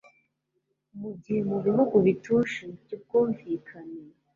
Mugihe mubihugu bituje byubwumvikane